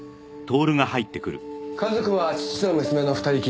家族は父と娘の２人きり。